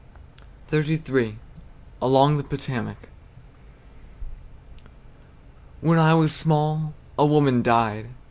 XXXIII. ALONG THE POTOMAC. When I was small, a woman died.